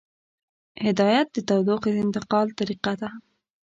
هدایت د تودوخې د انتقال طریقه ده.